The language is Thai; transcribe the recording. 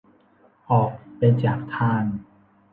ออกไปจากทาง